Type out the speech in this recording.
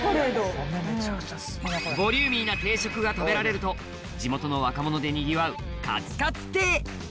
ボリューミーな定食が食べられると地元の若者でにぎわうかつかつ亭